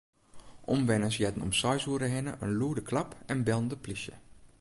Omwenners hearden om seis oere hinne in lûde klap en bellen de plysje.